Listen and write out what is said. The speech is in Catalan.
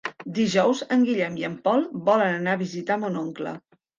Dijous en Guillem i en Pol volen anar a visitar mon oncle.